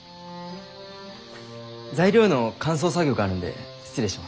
材料の乾燥作業があるので失礼します。